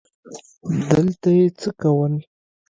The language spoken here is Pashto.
دلته یې څه کول ؟